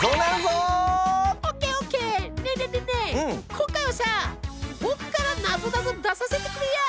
今回はさボクからなぞなぞ出させてくれや。